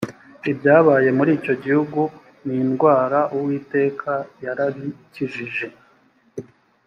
ibyabaye muri icyo gihugu n’indwara uwiteka yarabikijijej